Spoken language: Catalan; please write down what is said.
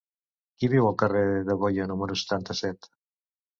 Qui viu al carrer de Goya número setanta-set?